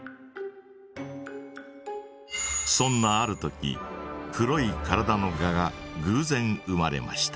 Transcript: そんなある時黒い体のガがぐうぜん生まれました。